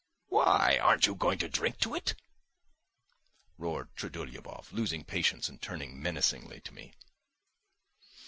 "Why, aren't you going to drink it?" roared Trudolyubov, losing patience and turning menacingly to me.